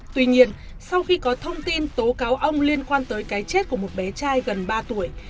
tuy nhiên sau khi có thông tin tố cáo ông liên quan tới cái chết của một bé trai gần ba tuổi